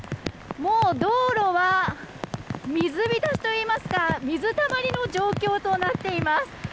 もう道路は水浸しといいますか水たまりの状況となっています。